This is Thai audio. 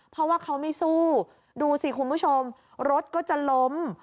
เพราะว่าเขาไม่สู้ดูสิคุณผู้ชมรถก็จะล้ม